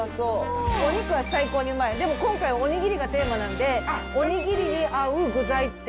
お肉は最高にうまい、でも今回、おにぎりがテーマなので、おにぎりに合う具材って。